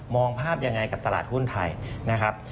องภาพยังไงกับตลาดหุ้นไทยนะครับ